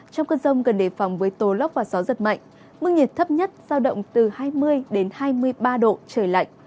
trong cơn rông gần đề phòng với tổ lóc và gió giật mạnh mức nhiệt thấp nhất giao động từ hai mươi hai mươi ba độ trời lạnh